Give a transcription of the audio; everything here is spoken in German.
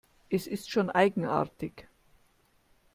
Es ist schon eigenartig.